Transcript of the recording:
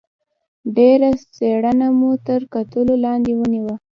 ډېره څېړنه مو تر کتلو لاندې ونیوه.